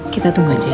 kita tunggu aja ya